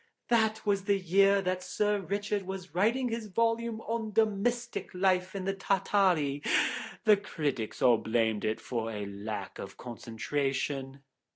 That was the year that Sir Richard was writing his volume on 'Domestic Life in Tartary.' The critics all blamed it for a lack of concentration."